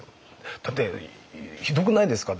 だってひどくないですか。